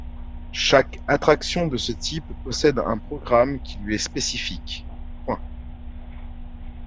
Chaque attraction de ce type possède un programme qui lui est spécifique.